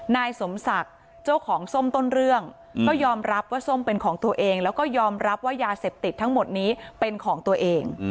นายสมศักดิ์เจ้าของส้มต้นเรื่องก็ยอมรับว่าส้มเป็นของตัวเองแล้วก็ยอมรับว่ายาเสพติดทั้งหมดนี้เป็นของตัวเอง